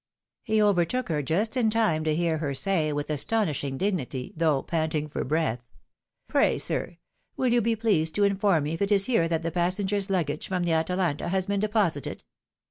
He overtook her just in time to hear her say, with astonishing dignity, though panting for breath, " Pray, sir, wiU you be pleased to inform me if it is here that the passengers' luggage from the Atalanta has been de posited